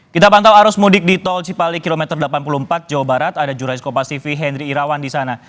kita pantau arus mudik di tol cipali kilometer delapan puluh empat jawa barat ada juris kopasifi henry irawan di sana